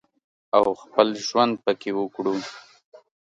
او خپل ژوند پکې وکړو